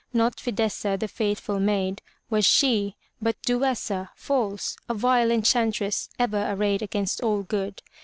Not Fidessa, the faithful maid, was she, but Du es'sa, false, a vile enchantress, ever arrayed against all good.